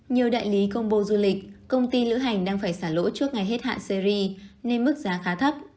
nhiều đại lý công bố du lịch công ty lữ hành đang phải xả lỗ trước ngày hết hạn series nên mức giá khá thấp